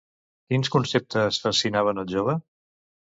Quins conceptes fascinaven al jove?